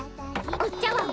お茶わん